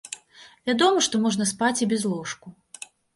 Вядома, што можна спаць і без ложку.